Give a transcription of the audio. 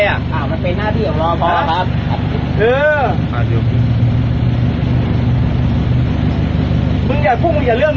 แรกครับผมไม่ได้บอกว่าไม่ได้แรก